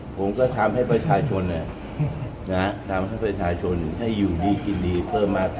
ผมก็ทำให้ประชาชนทำให้ประชาชนให้อยู่ดีกินดีเพิ่มมากขึ้น